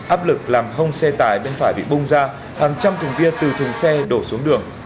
áp lực làm hông xe tải bên phải bị bung ra hàng trăm thùng bia từ thùng xe đổ xuống đường